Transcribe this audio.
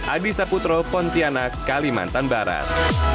adisa putro pontianak kalimantan barat